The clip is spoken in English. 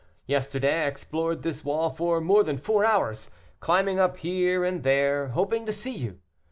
Yesterday I explored this wall for more than four hours, climbing up here and there, hoping to see you.